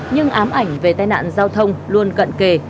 nhưng ám ảnh về tai nạn giao thông luôn cận kề